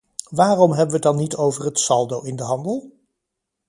Waarom hebben we het dan niet over het saldo in de handel?